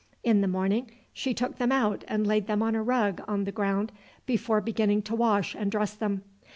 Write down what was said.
In the morning she took them out and laid them on a rug on the ground before beginning to wash and dress them.